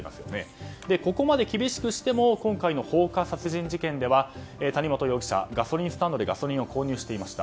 ここまで厳しくしても今回の放火殺人事件では谷本容疑者、ガソリンスタンドでガソリンを購入していました。